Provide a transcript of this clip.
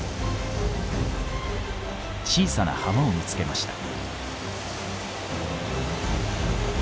小さな浜を見つけました。